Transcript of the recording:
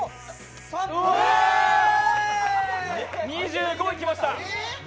２５いきました。